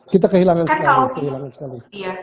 kita kehilangan sekali